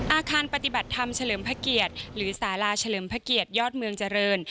อาคารปฏิบัติธรรมเฉลิมพระเกียรติหรือสาลาเฉลิมพระเกียรติยอดเมืองเจริญ